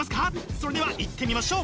それではいってみましょう！